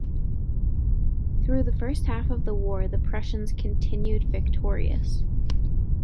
Through the first half of the war, the Prussians continued victorious.